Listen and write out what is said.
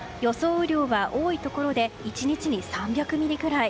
雨量は多いところで１日に３００ミリくらい。